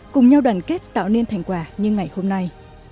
cùng nhau đoàn kết tạo nên thành quả như ngày hôm nay